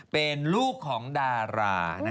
เป็นลูกของดารา